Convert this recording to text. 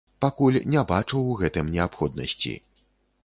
Пакуль не бачу ў гэтым неабходнасці.